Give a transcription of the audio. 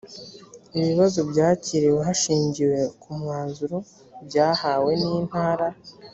ibibazo byakiriwe hashingiwe ku mwanzuro byahawe n’ intara